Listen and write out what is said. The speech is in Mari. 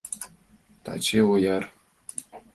Таче ояр.